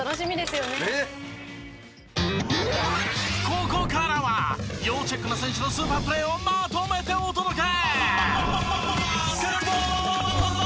ここからは要チェックな選手のスーパープレーをまとめてお届け！